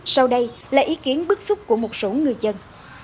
sau đây là ý kiến bức xúc của một số người dân